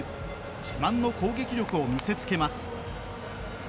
自慢の攻撃力を見せつけます。